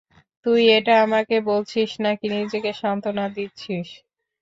তুই এটা আমাকে বলছিস নাকি নিজেকে শান্তনা দিচ্ছিস।